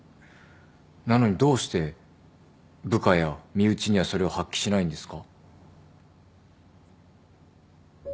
なのにどうして部下や身内にはそれを発揮しないんですか？